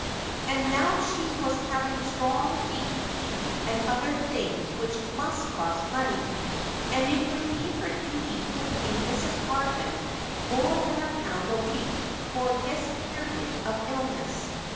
And now she was having strong beef tea and other things which must cost money, and it would be her duty to pay Mrs. Hardman more than a pound a week for this period of illness.